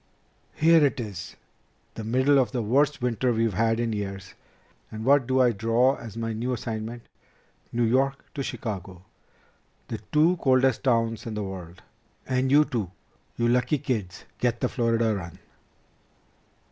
"Here it is, the middle of the worst winter we've had in years, and what do I draw as my new assignment? New York to Chicago! The two coldest towns in the world! And you two, you lucky kids, get the Florida run!"